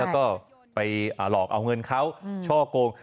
แล้วก็ไปหลอกเอาเงินเขาช่อกง